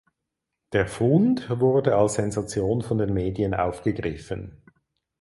Der „Fund“ wurde als Sensation von den Medien aufgegriffen.